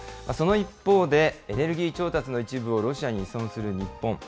その一方で、エネルギー調達の一部をロシアに依存する日本。